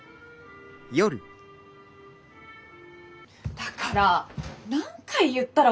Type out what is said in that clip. だから何回言ったら分かってくれんの？